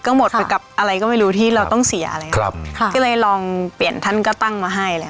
ก็หมดไปกับอะไรก็ไม่รู้ที่เราต้องเสียอะไรครับค่ะก็เลยลองเปลี่ยนท่านก็ตั้งมาให้เลย